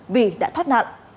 vì đã thoát nạn